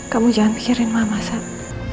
kamu jangan pikirin mama sayang